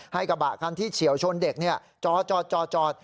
ให้กระบะที่เฉียวชนเด็กจอดจอดจอด